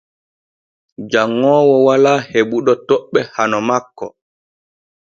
Janŋoowo walaa heɓuɗo toɓɓe hano makko.